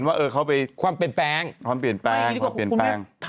ว่าเขาไปความเปลี่ยนแปลงความเปลี่ยนแปลงความเปลี่ยนแปลง